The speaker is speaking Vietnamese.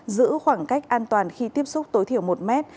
giữ khoảng cách an toàn khi tiếp xúc tối thiểu một mét